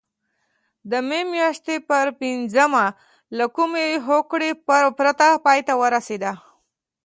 د مې میاشتې پر پینځمه له کومې هوکړې پرته پای ته ورسېده.